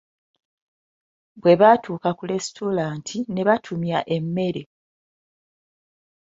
Bwe baatuuka ku lesitulanti ne batumya emmere.